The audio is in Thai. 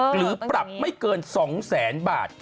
หรือปรับไม่เกิน๒๐๐๐๐๐บาท